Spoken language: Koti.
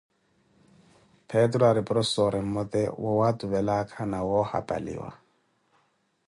Peturu Hari porofessoreh mmote wa owatuvela aakha na wa ohaphaliwa